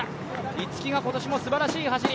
逸木が今年もすばらしい走り。